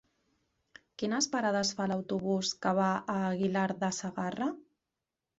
Quines parades fa l'autobús que va a Aguilar de Segarra?